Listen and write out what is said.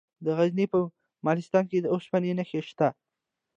د غزني په مالستان کې د اوسپنې نښې شته.